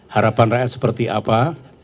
harapan rakyat seperti apa